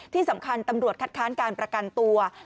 ที่สำคัญตำรวจคัดค้านการประกันตัว